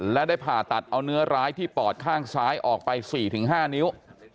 และได้ผ่าตัดเอาเนื้อร้ายที่ปอดข้างซ้ายออกไป๔๕นิ้ว